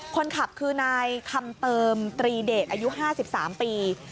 คนขับคือนายคำเติมตรีเดชอายุ๕๓ปี